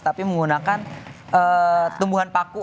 tapi menggunakan tumbuhan paku